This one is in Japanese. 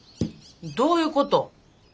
どういうこと？